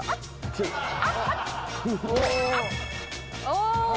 お！